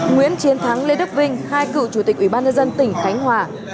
nguyễn chiến thắng lê đức vinh hai cựu chủ tịch ủy ban nhân dân tỉnh khánh hòa